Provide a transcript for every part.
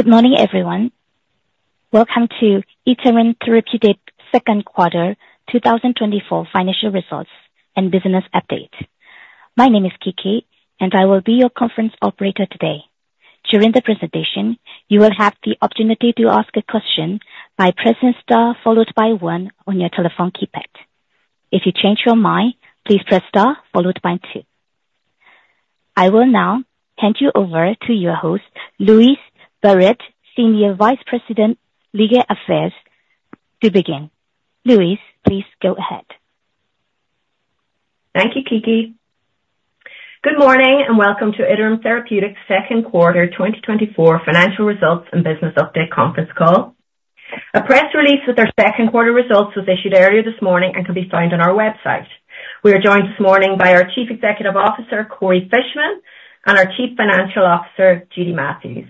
Good morning, everyone. Welcome to Iterum Therapeutics' second quarter 2024 financial results and business update. My name is Kiki, and I will be your conference operator today. During the presentation, you will have the opportunity to ask a question by pressing star followed by one on your telephone keypad. If you change your mind, please press star followed by two. I will now hand you over to your host, Louise Barrett, Senior Vice President, Legal Affairs, to begin. Louise, please go ahead. Thank you, Kiki. Good morning, and welcome to Iterum Therapeutics' second quarter 2024 financial results and business update conference call. A press release with our second quarter results was issued earlier this morning and can be found on our website. We are joined this morning by our Chief Executive Officer, Corey Fishman, and our Chief Financial Officer, Judy Matthews.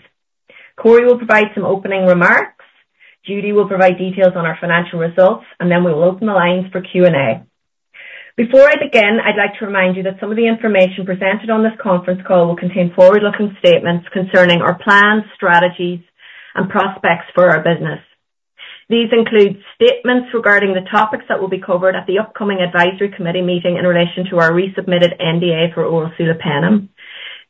Corey will provide some opening remarks, Judy will provide details on our financial results, and then we will open the lines for Q&A. Before I begin, I'd like to remind you that some of the information presented on this conference call will contain forward-looking statements concerning our plans, strategies, and prospects for our business. These include statements regarding the topics that will be covered at the upcoming advisory committee meeting in relation to our resubmitted NDA for oral sulopenem,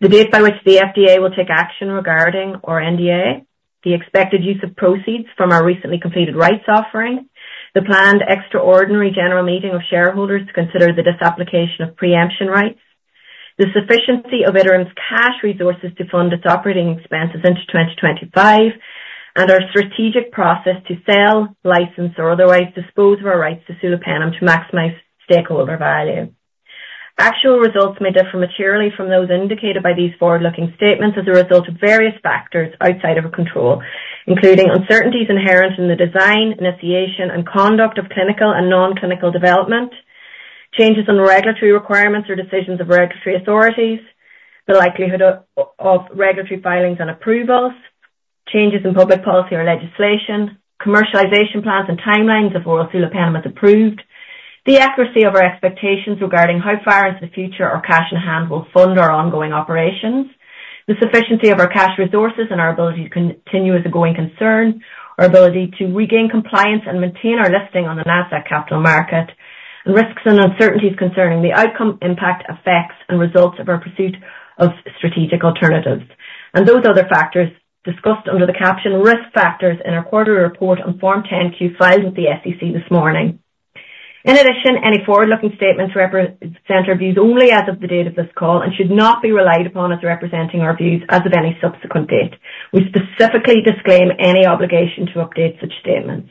the date by which the FDA will take action regarding our NDA, the expected use of proceeds from our recently completed rights offering, the planned extraordinary general meeting of shareholders to consider the disapplication of preemption rights, the sufficiency of Iterum's cash resources to fund its operating expenses into 2025, and our strategic process to sell, license or otherwise dispose of our rights to sulopenem to maximize stakeholder value. Actual results may differ materially from those indicated by these forward-looking statements as a result of various factors outside of our control, including uncertainties inherent in the design, initiation, and conduct of clinical and non-clinical development, changes in regulatory requirements or decisions of regulatory authorities, the likelihood of regulatory filings and approvals, changes in public policy or legislation, commercialization plans and timelines if oral sulopenem is approved, the accuracy of our expectations regarding how far into the future our cash in hand will fund our ongoing operations, the sufficiency of our cash resources and our ability to continue as a going concern, our ability to regain compliance and maintain our listing on the Nasdaq Capital Market, and risks and uncertainties concerning the outcome, impact, effects and results of our pursuit of strategic alternatives, and those other factors discussed under the caption Risk Factors in our quarterly report on Form 10-Q, filed with the SEC this morning. In addition, any forward-looking statements represent our current views only as of the date of this call and should not be relied upon as representing our views as of any subsequent date. We specifically disclaim any obligation to update such statements.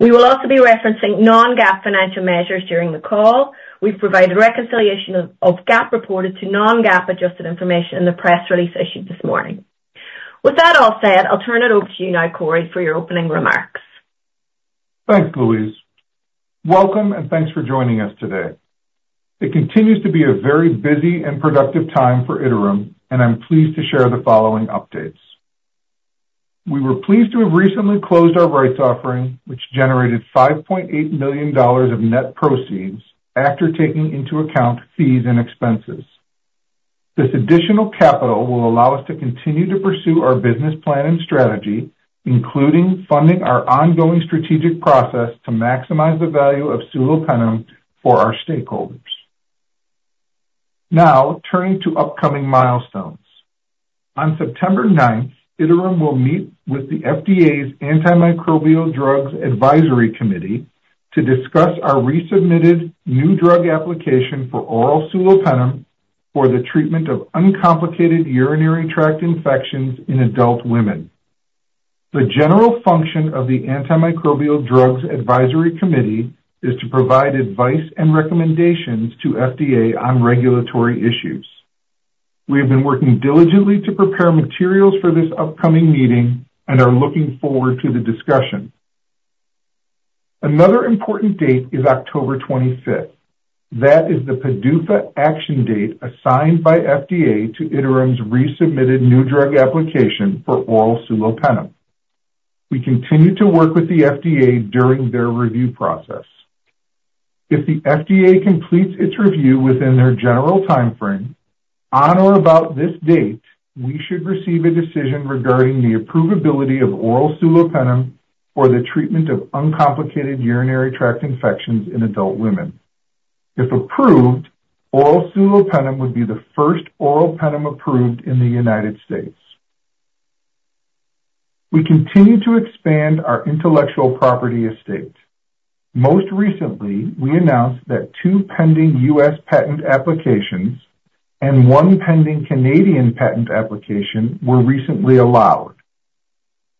We will also be referencing non-GAAP financial measures during the call. We've provided reconciliation of GAAP reported to non-GAAP adjusted information in the press release issued this morning. With that all said, I'll turn it over to you now, Corey, for your opening remarks. Thanks, Louise. Welcome, and thanks for joining us today. It continues to be a very busy and productive time for Iterum, and I'm pleased to share the following updates. We were pleased to have recently closed our rights offering, which generated $5.8 million of net proceeds after taking into account fees and expenses. This additional capital will allow us to continue to pursue our business plan and strategy, including funding our ongoing strategic process to maximize the value of sulopenem for our stakeholders. Now, turning to upcoming milestones. On September 9, Iterum will meet with the FDA's Antimicrobial Drugs Advisory Committee to discuss our resubmitted new drug application for oral sulopenem for the treatment of uncomplicated urinary tract infections in adult women. The general function of the Antimicrobial Drugs Advisory Committee is to provide advice and recommendations to FDA on regulatory issues. We have been working diligently to prepare materials for this upcoming meeting and are looking forward to the discussion. Another important date is October 25th. That is the PDUFA action date assigned by FDA to Iterum's resubmitted new drug application for oral sulopenem. We continue to work with the FDA during their review process. If the FDA completes its review within their general timeframe, on or about this date, we should receive a decision regarding the approvability of oral sulopenem for the treatment of uncomplicated urinary tract infections in adult women. If approved, oral sulopenem would be the first oral penem approved in the United States. We continue to expand our intellectual property estate. Most recently, we announced that two pending U.S. patent applications and one pending Canadian patent application were recently allowed.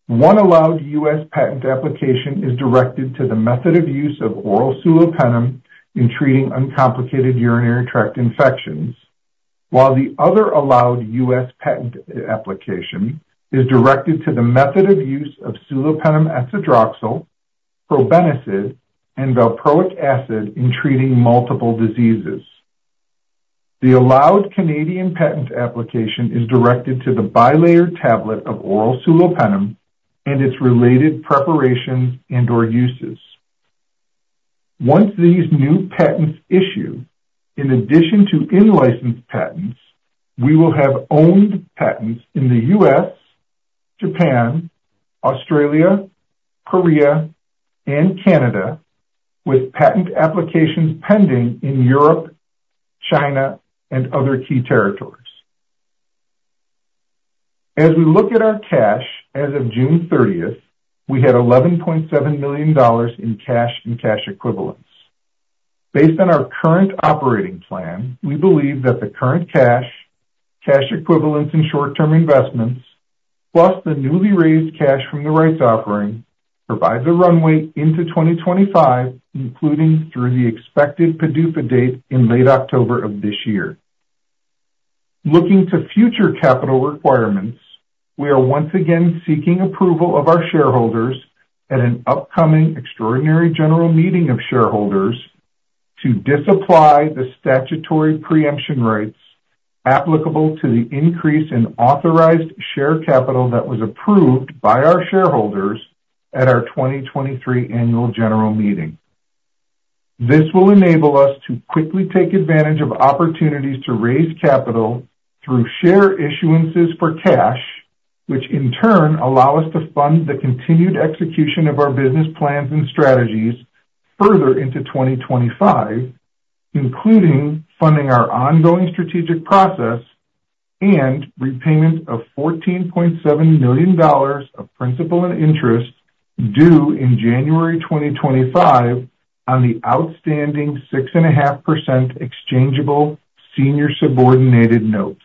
One allowed U.S. patent application is directed to the method of use of oral sulopenem in treating uncomplicated urinary tract infections, while the other allowed U.S. patent application is directed to the method of use of sulopenem etzadroxil, probenecid, and valproic acid in treating multiple diseases. The allowed Canadian patent application is directed to the bilayer tablet of oral sulopenem and its related preparations and/or uses. Once these new patents issue, in addition to in-licensed patents, we will have owned patents in the U.S., Japan, Australia, Korea, and Canada, with patent applications pending in Europe, China, and other key territories. As we look at our cash, as of June 30th, we had $11.7 million in cash and cash equivalents. Based on our current operating plan, we believe that the current cash, cash equivalents, and short-term investments, plus the newly raised cash from the rights offering, provide the runway into 2025, including through the expected PDUFA date in late October of this year. Looking to future capital requirements, we are once again seeking approval of our shareholders at an upcoming extraordinary general meeting of shareholders to disapply the statutory preemption rights applicable to the increase in authorized share capital that was approved by our shareholders at our 2023 annual general meeting. This will enable us to quickly take advantage of opportunities to raise capital through share issuances for cash, which in turn allow us to fund the continued execution of our business plans and strategies further into 2025, including funding our ongoing strategic process and repayment of $14.7 million of principal and interest due in January 2025 on the outstanding 6.5% exchangeable senior subordinated notes.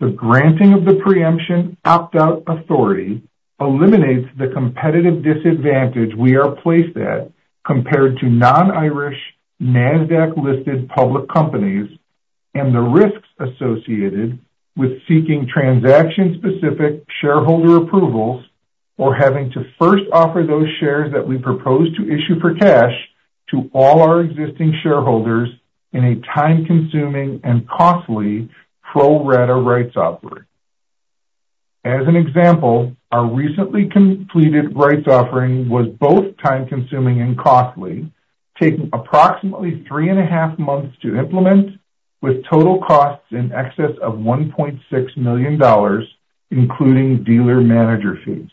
The granting of the preemption opt-out authority eliminates the competitive disadvantage we are placed at compared to non-Irish, Nasdaq-listed public companies, and the risks associated with seeking transaction-specific shareholder approvals or having to first offer those shares that we propose to issue for cash to all our existing shareholders in a time-consuming and costly pro rata rights offering. As an example, our recently completed rights offering was both time-consuming and costly, taking approximately three and a half months to implement, with total costs in excess of $1.6 million, including dealer manager fees.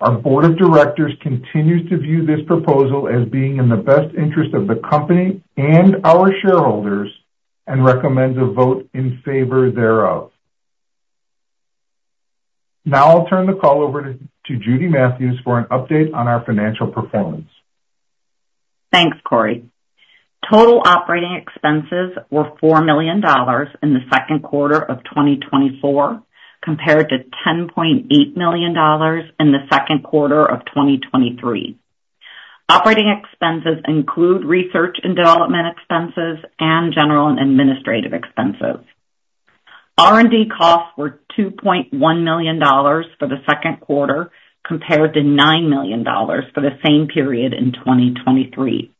Our board of directors continues to view this proposal as being in the best interest of the company and our shareholders and recommends a vote in favor thereof. Now I'll turn the call over to Judy Matthews for an update on our financial performance. Thanks, Corey. Total operating expenses were $4 million in the second quarter of 2024, compared to $10.8 million in the second quarter of 2023. Operating expenses include research and development expenses and general and administrative expenses. R&D costs were $2.1 million for the second quarter, compared to $9 million for the same period in 2023.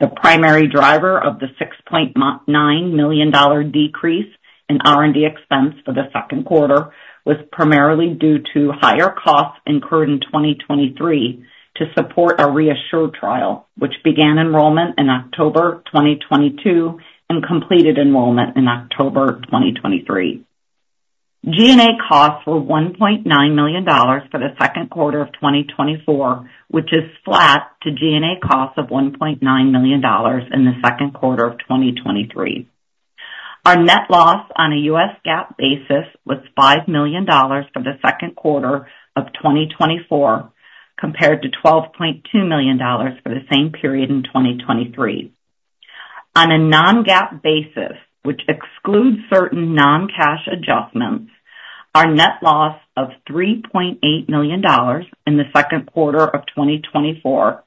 The primary driver of the $6.9 million decrease in R&D expense for the second quarter was primarily due to higher costs incurred in 2023 to support our REASSURE trial, which began enrollment in October 2022 and completed enrollment in October 2023. G&A costs were $1.9 million for the second quarter of 2024, which is flat to G&A costs of $1.9 million in the second quarter of 2023. Our net loss on a U.S. GAAP basis was $5 million for the second quarter of 2024, compared to $12.2 million for the same period in 2023. On a non-GAAP basis, which excludes certain non-cash adjustments, our net loss of $3.8 million in the second quarter of 2024,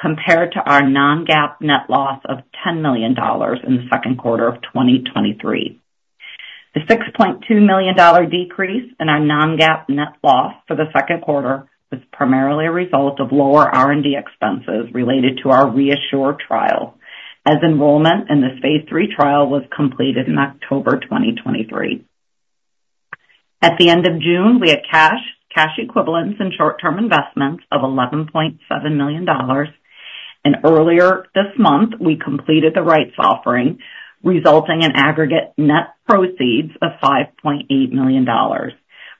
compared to our non-GAAP net loss of $10 million in the second quarter of 2023. The $6.2 million decrease in our non-GAAP net loss for the second quarter was primarily a result of lower R&D expenses related to our REASSURE trial, as enrollment in this phase III trial was completed in October 2023. At the end of June, we had cash, cash equivalents, and short-term investments of $11.7 million, and earlier this month, we completed the rights offering, resulting in aggregate net proceeds of $5.8 million,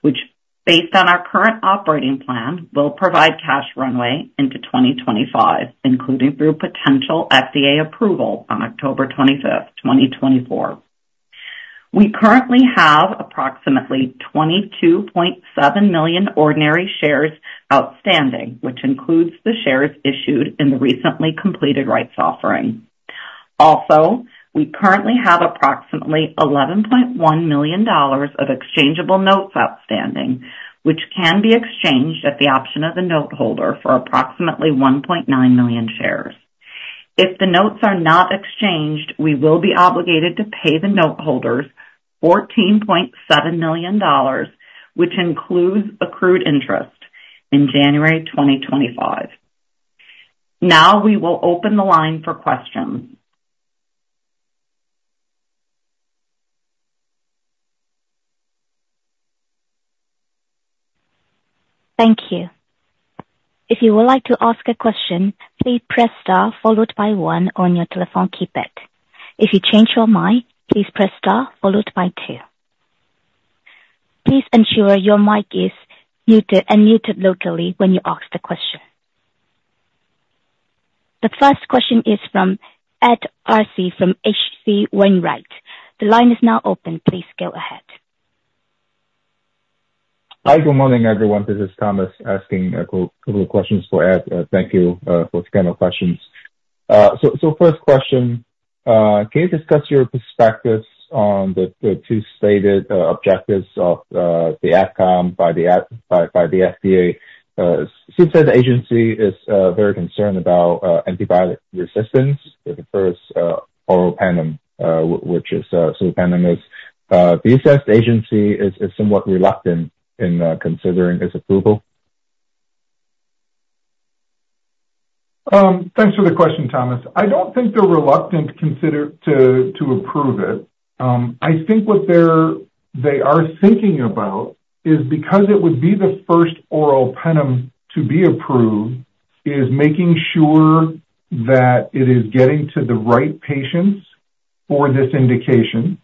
which, based on our current operating plan, will provide cash runway into 2025, including through potential FDA approval on October 25, 2024. We currently have approximately 22.7 million ordinary shares outstanding, which includes the shares issued in the recently completed rights offering. Also, we currently have approximately $11.1 million of exchangeable notes outstanding, which can be exchanged at the option of the noteholder for approximately 1.9 million shares. If the notes are not exchanged, we will be obligated to pay the noteholders $14.7 million, which includes accrued interest in January 2025. Now we will open the line for questions. Thank you. If you would like to ask a question, please press star followed by one on your telephone keypad. If you change your mind, please press star followed by two. Please ensure your mic is muted and muted locally when you ask the question. The first question is from Ed Arce from H.C. Wainwright. The line is now open. Please go ahead. Hi, good morning, everyone. This is Thomas asking a couple of questions for Ed. Thank you for those kind of questions. So first question, can you discuss your perspectives on the two stated objectives of the AdCom by the FDA? Since the agency is very concerned about antibiotic resistance, the first oral penem, which is sulopenem, the AdCom is somewhat reluctant in considering its approval. Thanks for the question, Thomas. I don't think they're reluctant to consider to approve it. I think what they are thinking about is because it would be the first oral penem to be approved, is making sure that it is getting to the right patients for this indication,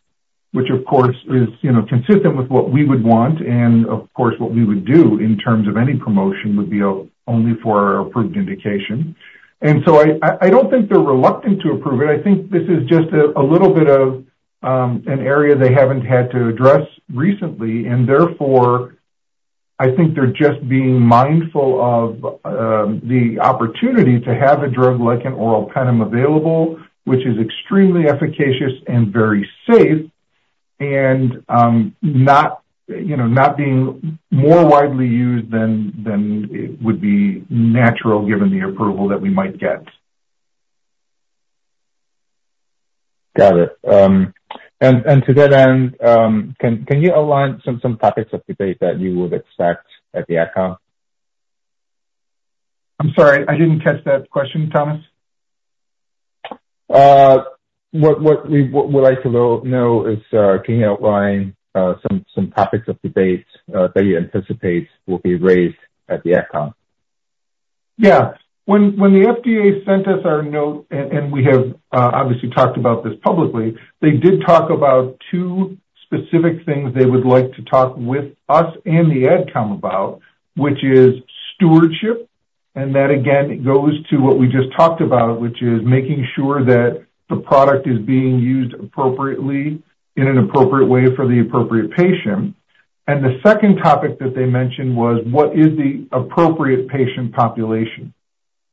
which of course is, you know, consistent with what we would want, and of course, what we would do in terms of any promotion, would be only for approved indication. And so I don't think they're reluctant to approve it. I think this is just a little bit of an area they haven't had to address recently, and therefore, I think they're just being mindful of the opportunity to have a drug like an oral penem available, which is extremely efficacious and very safe, and not, you know, not being more widely used than it would be natural, given the approval that we might get. Got it. And to that end, can you outline some topics of debate that you would expect at the AdCom? I'm sorry, I didn't catch that question, Thomas. What we would like to know is, can you outline some topics of debate that you anticipate will be raised at the AdCom? Yeah. When the FDA sent us our note, and we have obviously talked about this publicly, they did talk about two specific things they would like to talk with us and the AdCom about, which is stewardship, and that again goes to what we just talked about, which is making sure that the product is being used appropriately, in an appropriate way for the appropriate patient. And the second topic that they mentioned was: what is the appropriate patient population?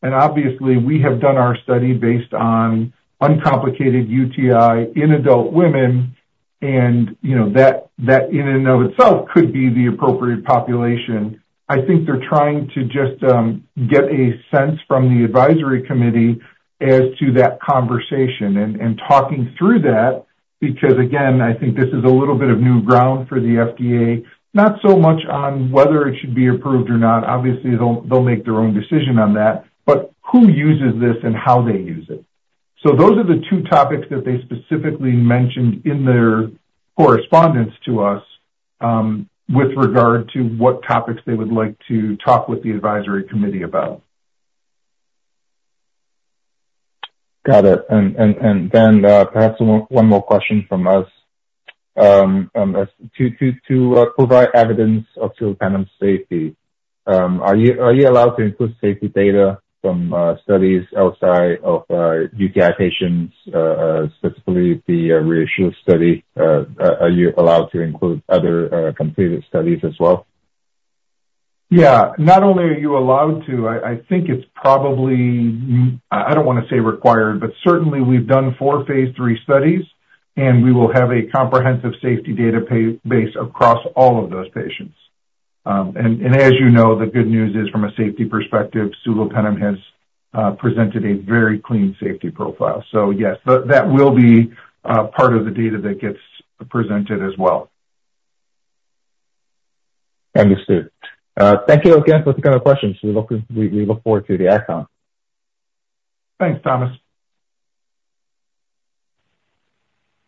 And obviously, we have done our study based on uncomplicated UTI in adult women, and you know, that in and of itself could be the appropriate population. I think they're trying to just get a sense from the advisory committee as to that conversation and talking through that, because again, I think this is a little bit of new ground for the FDA, not so much on whether it should be approved or not. Obviously, they'll make their own decision on that, but who uses this and how they use it. So those are the two topics that they specifically mentioned in their correspondence to us with regard to what topics they would like to talk with the advisory committee about. Got it. And then, perhaps one more question from us. To provide evidence of sulopenem's safety, are you allowed to include safety data from studies outside of UTI patients, specifically the REASSURE study? Are you allowed to include other completed studies as well? Yeah, not only are you allowed to. I think it's probably... I don't wanna say required, but certainly we've done four phase III studies, and we will have a comprehensive safety database across all of those patients. And as you know, the good news is, from a safety perspective, sulopenem has presented a very clean safety profile. So yes, but that will be part of the data that gets presented as well. Understood. Thank you again for those kind of questions. We look forward to the AdCom. Thanks, Thomas.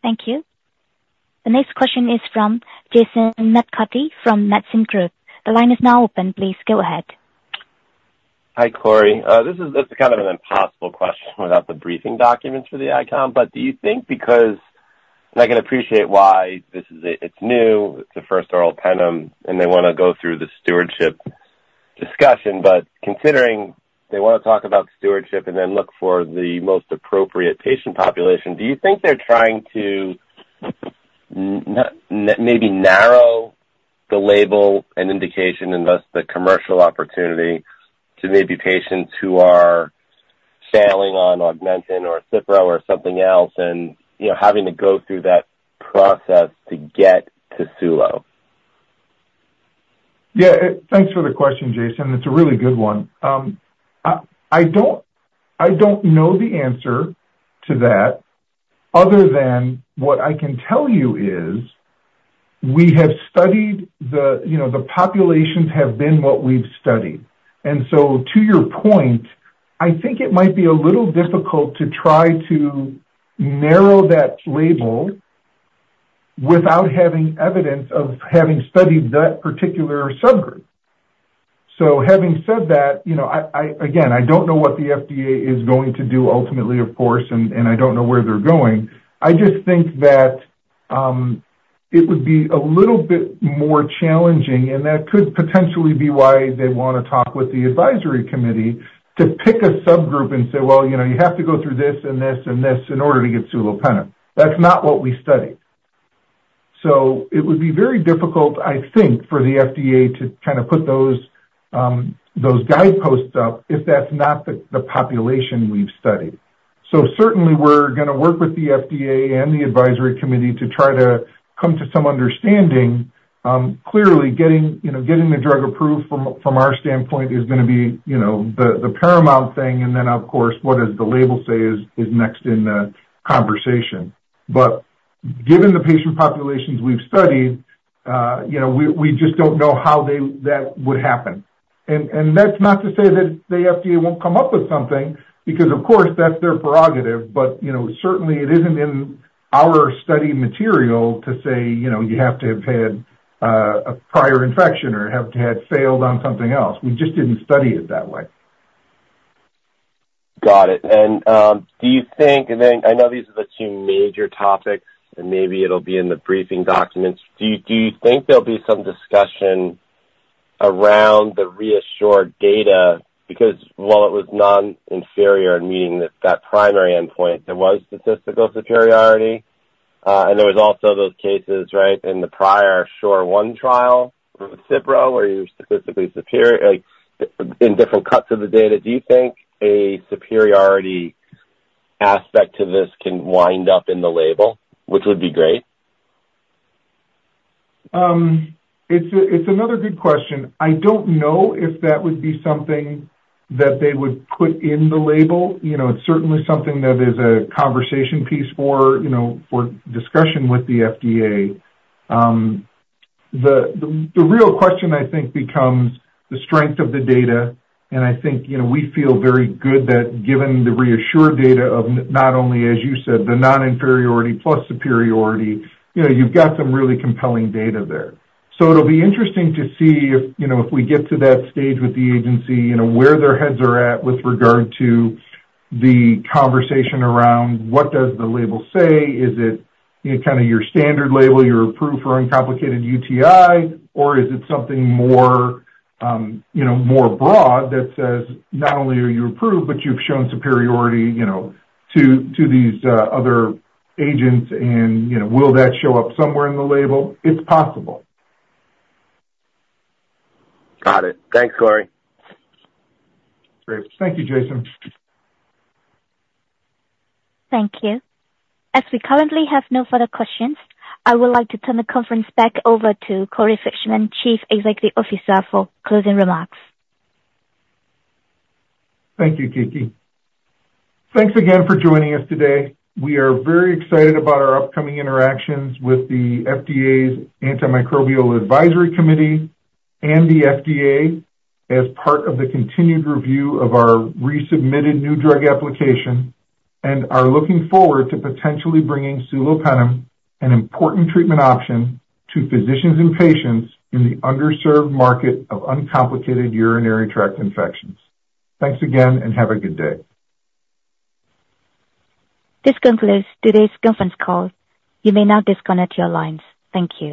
Thank you. The next question is from Jason McCarthy from Maxim Group. The line is now open. Please go ahead. Hi, Corey. This is kind of an impossible question without the briefing documents for the AdCom, but do you think because... And I can appreciate why this is—it's new, it's the first oral penem, and they wanna go through the stewardship discussion. But considering they wanna talk about stewardship and then look for the most appropriate patient population, do you think they're trying to maybe narrow the label and indication, and thus the commercial opportunity to maybe patients who are failing on Augmentin or Cipro or something else, and, you know, having to go through that process to get to sulo? Yeah, thanks for the question, Jason. It's a really good one. I don't know the answer to that, other than what I can tell you is, we have studied the populations. You know, the populations have been what we've studied. And so to your point, I think it might be a little difficult to try to narrow that label without having evidence of having studied that particular subgroup. So having said that, you know, again, I don't know what the FDA is going to do ultimately, of course, and I don't know where they're going. I just think that it would be a little bit more challenging, and that could potentially be why they wanna talk with the advisory committee, to pick a subgroup and say, "Well, you know, you have to go through this and this and this in order to get sulopenem." That's not what we studied. So it would be very difficult, I think, for the FDA to kind of put those guideposts up, if that's not the population we've studied. So certainly we're gonna work with the FDA and the advisory committee to try to come to some understanding. Clearly getting, you know, getting the drug approved from our standpoint is gonna be, you know, the paramount thing. And then, of course, what does the label say is next in the conversation. But given the patient populations we've studied, you know, we just don't know how that would happen. And that's not to say that the FDA won't come up with something, because of course that's their prerogative. But, you know, certainly it isn't in our study material to say, you know, you have to have had a prior infection or have to had failed on something else. We just didn't study it that way. Got it. And, do you think... And then I know these are the two major topics, and maybe it'll be in the briefing documents. Do you, do you think there'll be some discussion around the REASSURE data? Because while it was non-inferior, meaning that that primary endpoint, there was statistical superiority, and there was also those cases, right, in the prior SURE 1 trial with Cipro, where you were statistically superior, like in different cuts of the data. Do you think a superiority aspect to this can wind up in the label? Which would be great. It's another good question. I don't know if that would be something that they would put in the label. You know, it's certainly something that is a conversation piece for, you know, for discussion with the FDA. The real question, I think, becomes the strength of the data, and I think, you know, we feel very good that given the REASSURE data of not only, as you said, the non-inferiority plus superiority, you know, you've got some really compelling data there. So it'll be interesting to see if, you know, if we get to that stage with the agency, you know, where their heads are at with regard to the conversation around what does the label say? Is it, you know, kind of your standard label, you're approved for uncomplicated UTI, or is it something more, you know, more broad that says, not only are you approved, but you've shown superiority, you know, to these other agents and, you know, will that show up somewhere in the label? It's possible. Got it. Thanks, Corey. Great. Thank you, Jason. Thank you. As we currently have no further questions, I would like to turn the conference back over to Corey Fishman, Chief Executive Officer, for closing remarks. Thank you, Kiki. Thanks again for joining us today. We are very excited about our upcoming interactions with the FDA's Antimicrobial Drugs Advisory Committee and the FDA as part of the continued review of our resubmitted new drug application, and are looking forward to potentially bringing sulopenem, an important treatment option, to physicians and patients in the underserved market of uncomplicated urinary tract infections. Thanks again, and have a good day. This concludes today's conference call. You may now disconnect your lines. Thank you.